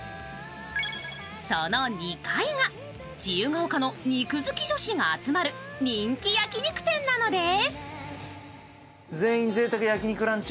その２階が、自由が丘の肉好き女子が集まる人気焼き肉店なのです。